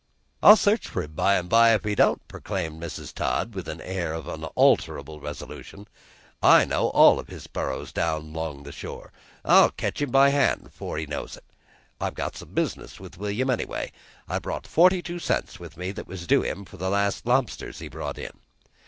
"I'll search for him by 'n' by, if he don't," proclaimed Mrs. Todd, with an air of unalterable resolution. "I know all of his burrows down 'long the shore. I'll catch him by hand 'fore he knows it. I've got some business with William, anyway. I brought forty two cents with me that was due him for them last lobsters he brought in."